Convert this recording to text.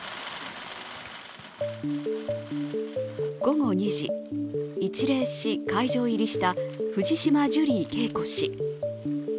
午後２時、一礼し、会場入りした藤島ジュリー景子氏。